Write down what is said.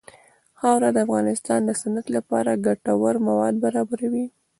خاوره د افغانستان د صنعت لپاره ګټور مواد برابروي.